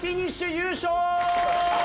優勝！